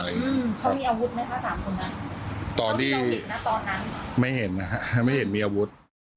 เขามีอาวุธไหมคะ๓คนนั้นตอนนั้นไม่เห็นนะครับไม่เห็นมีอาวุธ